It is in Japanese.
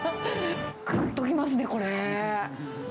ぐっときますね、これ。